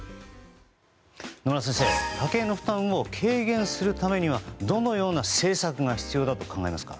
野村先生、家計の負担を軽減するためにはどのような政策が必要だと考えますか？